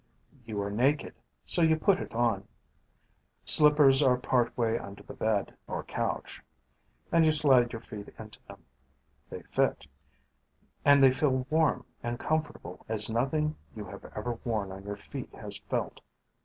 You are naked, so you put it on. Slippers are part way under the bed (or couch) and you slide your feet into them. They fit, and they feel warm and comfortable as nothing you have ever worn on your feet has felt.